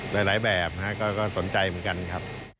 หลายแบบก็สนใจเหมือนกันครับ